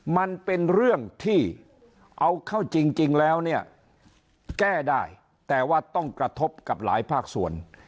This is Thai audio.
มันเป็นเรื่องที่เอาเข้าจริงแล้วเนี่ยแก้ได้แต่ว่าต้องกระทบกับหลายภาคส่วน